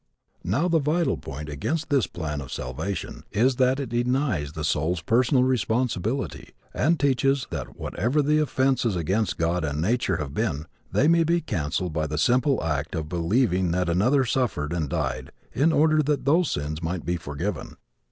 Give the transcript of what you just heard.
Now the vital point against this plan of salvation is that it denies the soul's personal responsibility and teaches that whatever the offenses against God and nature have been, they may be cancelled by the simple act of believing that another suffered and died in order that those sins might be forgiven.